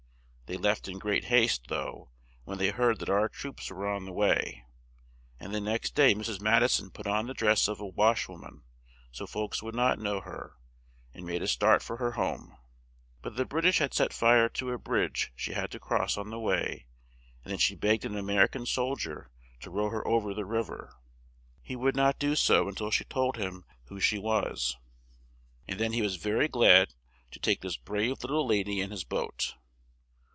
They left in great haste, though, when they heard that our troops were on the way, and the next day Mrs. Mad i son put on the dress of a wash wo man, so folks would not know her, and made a start for her home, but the British had set fire to a bridge she had to cross on the way and then she begged an A mer i can sol dier to row her o ver the riv er. He would not do so un til she told him who she was, and then he was ver y glad to take this brave lit tle la dy in his boat.